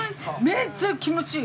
めっちゃ気持ちいいよ。